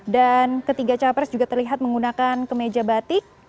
dan ketiga capres juga terlihat menggunakan kemeja batik